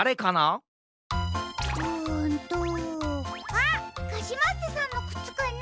あっカシマッセさんのくつかな？